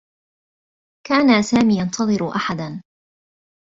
كان سامي ينتظر أحدا.